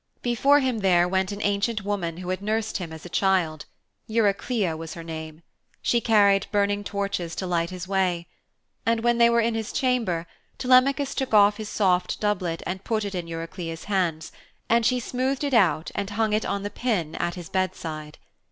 Before him there went an ancient woman who had nursed him as a child Eurycleia was her name. She carried burning torches to light his way. And when they were in his chamber Telemachus took off his soft doublet and put it in Eurycleia's hands, and she smoothed it out and hung it on the pin at his bed side.